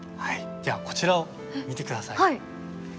じゃあこちらを見てください。